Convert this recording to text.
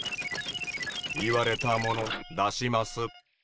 言われたもの出します。